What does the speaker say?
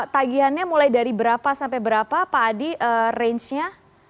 tagihannya mulai dari berapa sampai berapa pak adi range nya